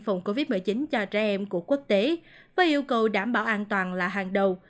phòng covid một mươi chín cho trẻ em của quốc tế với yêu cầu đảm bảo an toàn là hàng đầu